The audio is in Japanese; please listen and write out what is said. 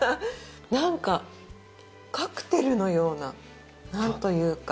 なんかカクテルのようななんというか。